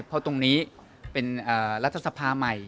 เพราะตรงนี้เป็นรัฐสภาใหม่